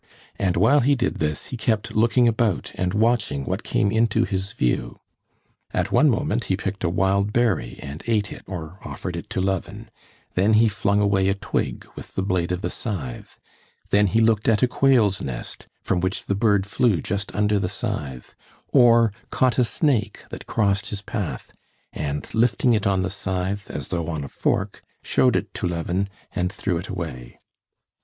And while he did this he kept looking about and watching what came into his view: at one moment he picked a wild berry and ate it or offered it to Levin, then he flung away a twig with the blade of the scythe, then he looked at a quail's nest, from which the bird flew just under the scythe, or caught a snake that crossed his path, and lifting it on the scythe as though on a fork showed it to Levin and threw it away.